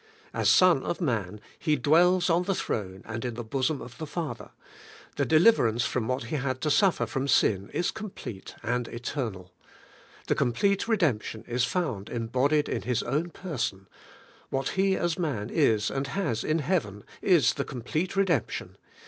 As Son of man, He dwells on the throne and in the bosom of the Father: the deliverance from what He had to suffer from sin is complete and eternal. The complete re demption is found embodied in His own person: what He as man is and has in heaven is the complete redemption.